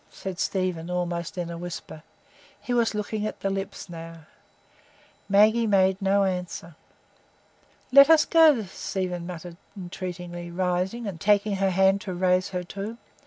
said Stephen, almost in a whisper. He was looking at the lips now. Maggie made no answer. "Let us go," Stephen murmured entreatingly, rising, and taking her hand to raise her too.